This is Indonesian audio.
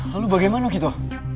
lalu bagaimana kita